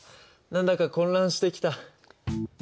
何だか混乱してきた。